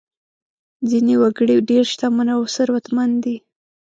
ځینې وګړي ډېر شتمن او ثروتمند دي.